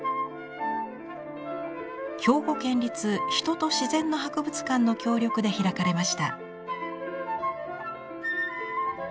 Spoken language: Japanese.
兵庫県立人と自然の博物館の協力で開かれました。